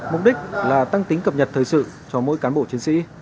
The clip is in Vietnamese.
mục đích là tăng tính cập nhật thời sự cho mỗi cán bộ chiến sĩ